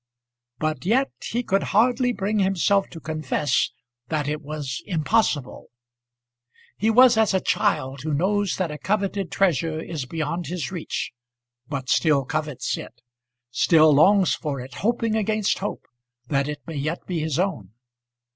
But yet he could hardly bring himself to confess that it was impossible. He was as a child who knows that a coveted treasure is beyond his reach, but still covets it, still longs for it, hoping against hope that it may yet be his own.